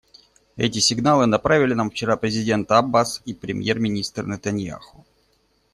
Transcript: Эти сигналы направили нам вчера президент Аббас и премьер-министр Нетаньяху.